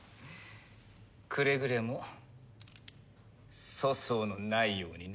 くれぐれも粗相のないようにね。